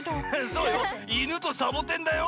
そうよいぬとサボテンだよ。